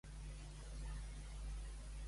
Què ha dit Batet?